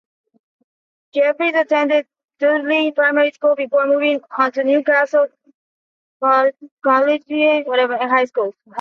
Jeffries attended Dudley Primary School before moving onto Newcastle Collegiate and High schools.